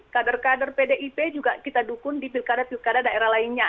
kader kader pdip juga kita dukung di pilkada pilkada daerah lainnya